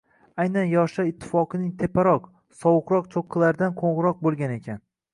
aynan Yoshlar Ittifoqining teparoq, sovuqroq cho‘qqilaridan qo‘ng‘iroq bo‘lgan ekan.